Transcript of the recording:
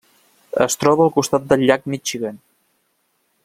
Es troba al costat del Llac Michigan.